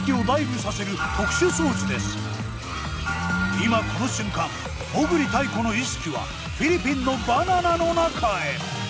今この瞬間裳繰泰子の意識はフィリピンのバナナの中へ。